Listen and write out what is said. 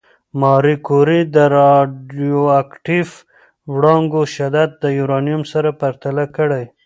ماري کوري د راډیواکټیف وړانګو شدت د یورانیم سره پرتله کړ.